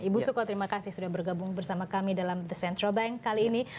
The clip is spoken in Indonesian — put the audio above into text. ibu suko terima kasih sudah bergabung bersama kami dalam the central bank kali ini